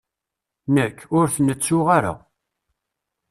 Nekk, ur ten-ttuɣ ara.